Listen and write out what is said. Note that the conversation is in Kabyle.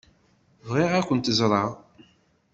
Bɣiɣ ad kent-ẓṛeɣ.